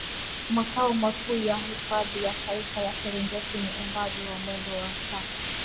makao makuu ya hifadhi ya Taifa ya Serengeti Ni umbali wa mwendo wa saa